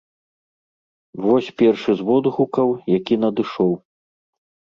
Вось першы з водгукаў, які надышоў.